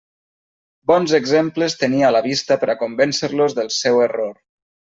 Bons exemples tenia a la vista per a convèncer-los del seu error.